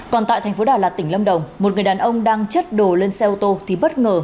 còn tại thành phố đà lạt tỉnh lâm đồng một người đàn ông đang chất đồ lên xe ô tô thì bất ngờ